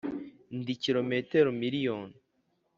ndi kilometero miriyoni